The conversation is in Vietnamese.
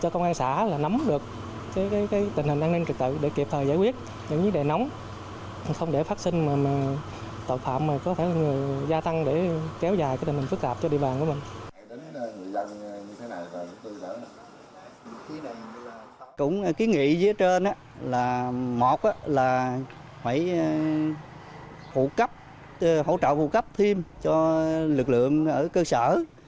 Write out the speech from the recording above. cũng ký nghị dưới trên là một là phải hỗ trợ phụ cấp thêm cho lực lượng ở cơ sở